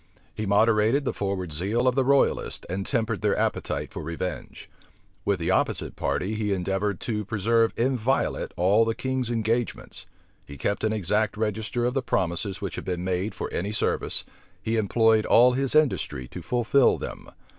He moderated the forward zeal of the royalists, and tempered their appetite for revenge. With the opposite party, he endeavored to preserve inviolate all the king's engagements: he kept an exact register of the promises which had been made for any service, he employed all his industry to fulfil them.